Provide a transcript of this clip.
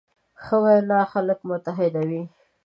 ښه وینا خلک متحدوي.